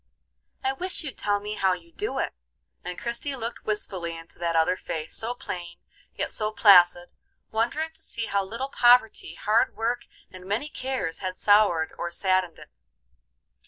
I wish you'd tell me how you do it;" and Christie looked wistfully into that other face, so plain, yet so placid, wondering to see how little poverty, hard work, and many cares had soured or saddened it.